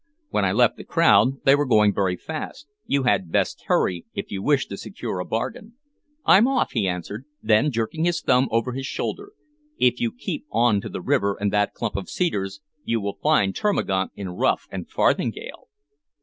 "When I left the crowd they were going very fast. You had best hurry, if you wish to secure a bargain." "I'm off," he answered; then, jerking his thumb over his shoulder, "If you keep on to the river and that clump of cedars, you will find Termagaunt in ruff and farthingale."